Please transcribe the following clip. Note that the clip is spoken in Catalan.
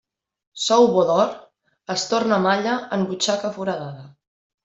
Sou bo d'or, es torna malla en butxaca foradada.